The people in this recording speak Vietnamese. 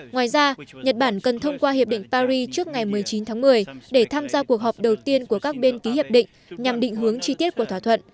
ngoài ra nhật bản cần thông qua hiệp định paris trước ngày một mươi chín tháng một mươi để tham gia cuộc họp đầu tiên của các bên ký hiệp định nhằm định hướng chi tiết của thỏa thuận